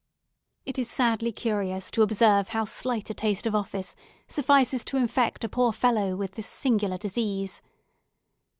It is sadly curious to observe how slight a taste of office suffices to infect a poor fellow with this singular disease.